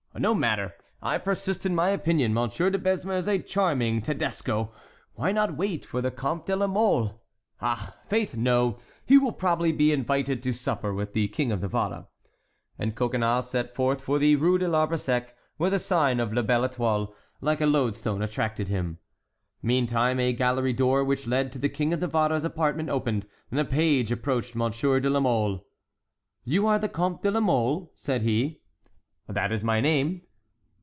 No matter! I persist in my opinion: Monsieur de Besme is a charming Tedesco—Why not wait for the Comte de la Mole? Ah faith, no! he will probably be invited to supper with the King of Navarre." And Coconnas set forth for the Rue de l'Arbre Sec, where the sign of La Belle Étoile like a lodestone attracted him. Meantime a gallery door which led to the King of Navarre's apartment opened, and a page approached Monsieur de la Mole. "You are the Comte de la Mole?" said he. "That is my name."